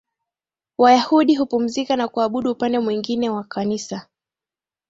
Wayahudi hupumzika na kuabudu Upande mwingine wanakanisa